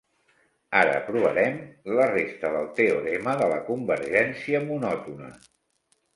Ara provarem la resta del teorema de la convergència monòtona.